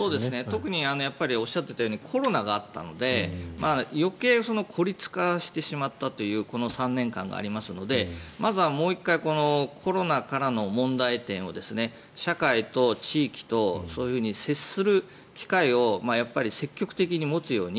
特に、おっしゃったようにコロナがあったので余計、孤立化してしまったというこの３年間がありますのでまずはもう１回コロナからの問題点を社会と地域とそういうふうに接する機会をやっぱり積極的に持つように。